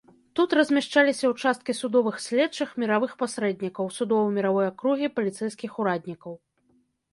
Тут размяшчаліся ўчасткі судовых следчых, міравых пасрэднікаў, судова-міравой акругі, паліцэйскіх ураднікаў.